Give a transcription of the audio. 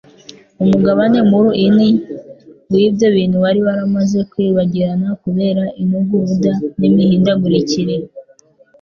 Umugabane muruini w'ibyo bintu wari waramaze kwibagirana kubera intuguruda n'imihindagurikire